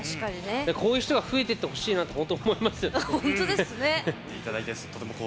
こういう人が増えてってほしいなと本当に思いますよね。